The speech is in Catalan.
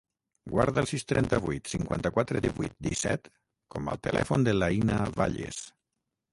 Guarda el sis, trenta-vuit, cinquanta-quatre, divuit, disset com a telèfon de l'Aïna Valles.